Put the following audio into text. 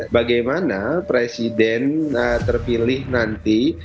bagaimana presiden terpilih nanti